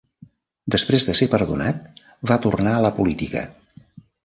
Després de ser perdonat, va tornar a la política.